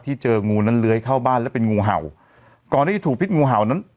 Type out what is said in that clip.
เจองูนั้นเลื้อยเข้าบ้านแล้วเป็นงูเห่าก่อนที่จะถูกพิษงูเห่านั้น